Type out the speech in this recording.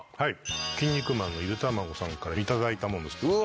キン肉マンのゆでたまごさんから頂いたものです。